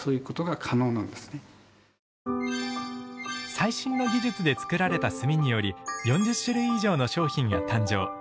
最新の技術で作られた炭により４０種類以上の商品が誕生。